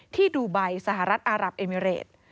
ที่ดูไบสหรัฐอารับเอมิเรต